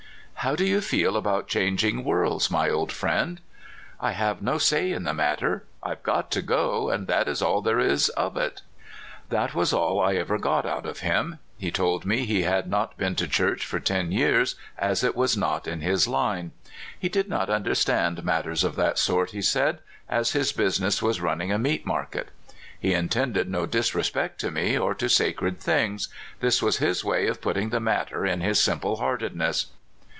'* How do you feel about changing worlds, my old friend? "'* I have no say in the matter. / have got to go, and that is all there is of it.'' That was all I ever got out of him. He told me 326 CALIFORNIA SKETCHES. he had not been to church for ten years, as it was not in his Hne. He did not understand mat ters of that sort, he said, as his business was run ning a meat market. He intended no disrespect to me or to sacred things — this was his way of put ting the matter in his simple heartedness.